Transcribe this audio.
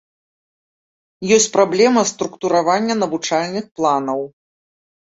Ёсць праблема структуравання навучальных планаў.